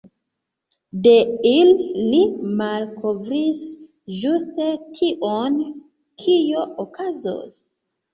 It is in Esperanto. De ili li malkovris ĝuste tion kio okazos.